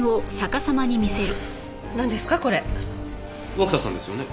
涌田さんですよね？